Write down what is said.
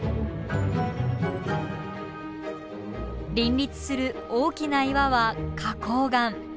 林立する大きな岩は花こう岩。